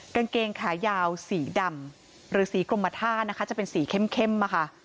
กางเกงขายาวสีดำหรือสีกรมท่านะคะจะเป็นสีเข้มค่ะ